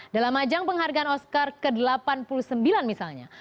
dalam ajang penghargaan oscar ke delapan puluh sembilan misalnya